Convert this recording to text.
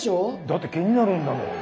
だって気になるんだもん。